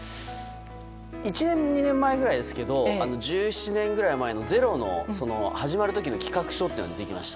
１２年ぐらい前ですけど１７年ぐらい前の「ｚｅｒｏ」が始まる時の企画書というのが出てきました。